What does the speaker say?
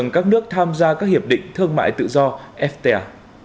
các nước tham gia các hiệp định thương mại tự do fta